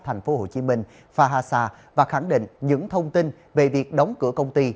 thành phố hồ chí minh phahasa và khẳng định những thông tin về việc đóng cửa công ty